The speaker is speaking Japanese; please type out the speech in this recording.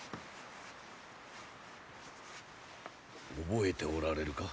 覚えておられるか？